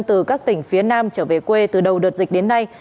từ các tỉnh phía nam trở về quê từ đầu đợt dịch đến nay